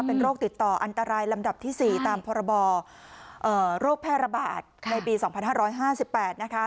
เป็นโรคติดต่ออันตรายลำดับที่๔ตามพรบโรคแพร่ระบาดในปี๒๕๕๘นะคะ